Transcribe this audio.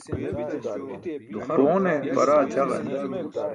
Poone paraa ćaġan.